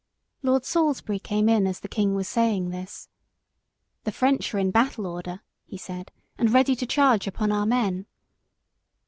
Lord Salisbury came in as the king was saying this. "The French are in battle order," he said, "and ready to charge upon our men."